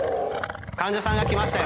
患者さんが来ましたよ。